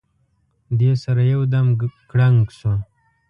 دې سره یو دم کړنګ شو.